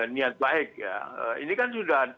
niat baik ya ini kan sudah